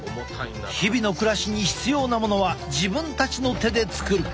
日々の暮らしに必要なものは自分たちの手で作る。